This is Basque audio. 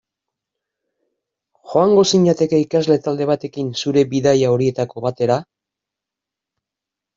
Joango zinateke ikasle talde batekin zure bidaia horietako batera?